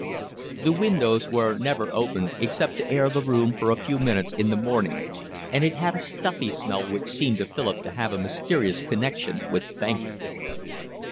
The windows were never opened except to air the room for a few minutes in the morning, and it had a stuffy smell which seemed to Philip to have a mysterious connection with banking.